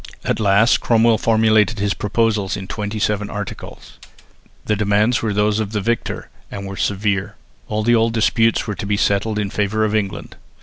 At last Cromwell formulated his proposals in twenty seven articles. The demands were those of the victor, and were severe. All the old disputes were to be settled in favour of England.